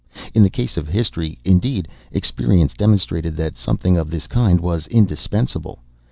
In the case of history, indeed, experience demonstrated that something of this kind was indispensable.